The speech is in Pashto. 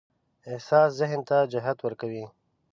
احساس ذهن ته جهت ورکوي.